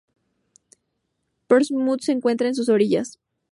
Portsmouth se encuentra en sus orillas.